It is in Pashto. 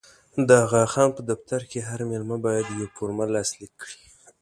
د اغا خان په دفتر کې هر مېلمه باید یوه فورمه لاسلیک کړي.